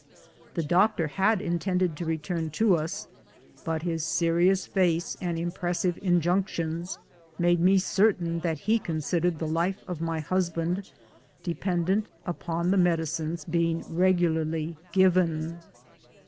The doctor had intended to re turn to us, but his serious face and impressive injunc tions made me certain that he considered the life of the general dependent on the medicine being regularly given.